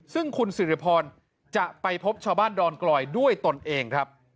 ซึ่งคุณสิริพรจะไปพบชาวบ้านดอนกลอยด้วยตนเองครับ